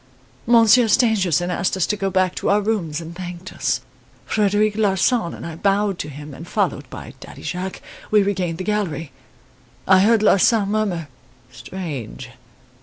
Monsieur Stangerson asked us to go back to our rooms and thanked us. Frederic Larsan and I bowed to him and, followed by Daddy Jacques, we regained the gallery. I heard Larsan murmur: 'Strange!